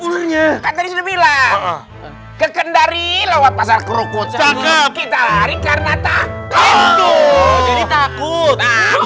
ulernya tapi sudah bilang kekendari lewat pasar kerukut cakep kita hari karena takut